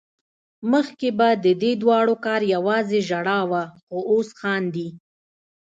مخکې به ددې دواړو کار يوازې ژړا وه خو اوس خاندي